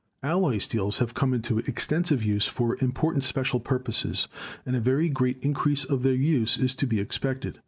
Alloy steels have come into extensive use for important special purposes and a very great increase of their use is to be expected.